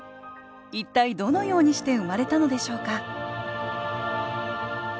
一体どのようにして生まれたのでしょうか